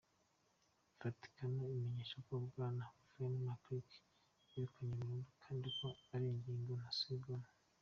Vaticano imenyesha ko Bwana McCarrick yirukanywe burundu kandi ko ari ingingo ntasubirwamwo.